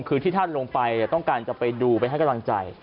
คือที่ท่านลงไปต้องการจะไปดูไปให้กำลังใจ